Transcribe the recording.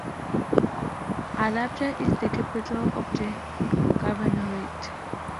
Halabja is the capital of the governorate.